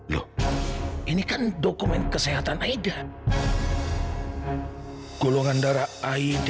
loh ini kan dokumen kesehatan aida golongan darah